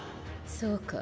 そうか。